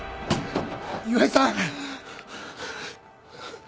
岩井さん！